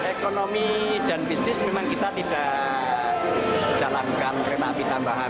ekonomi dan bisnis memang kita tidak jalankan kereta api tambahan